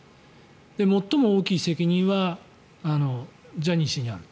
最も大きい責任はジャニー氏にある。